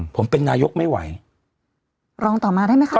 ผมเป็นนายกไม่ไหวรองต่อมาได้ไหมคะ